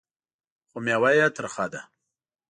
خو مېوه یې ترخه ده .